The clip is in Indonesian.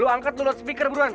lu angkat dulu speaker buruan